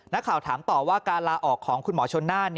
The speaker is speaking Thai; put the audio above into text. นักข่าวถามต่อว่าการลาออกของคุณหมอชนน่าน